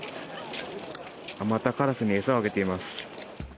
またカラスに餌をあげています。